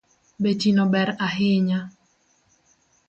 Betino ber ahinya